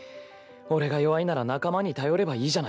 俺が弱いなら仲間に頼ればいいじゃないか。